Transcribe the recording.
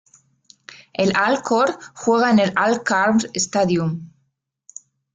El Al-Khor juega en el Al-Khawr Stadium.